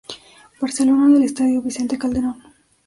Barcelona en el Estadio Vicente Calderón.